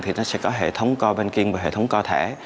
thì nó sẽ có hệ thống co banking và hệ thống co thẻ